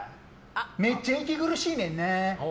めっちゃ息苦しいねんな。